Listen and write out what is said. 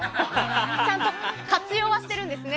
ちゃんと活用はしてるんですね